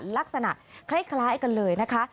ลักษณะคล้ายกันเลยนะคะ